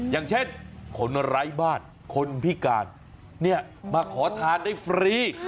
อย่างเช่นคนไร้บ้านคนพิการมาขอทานได้ฟรี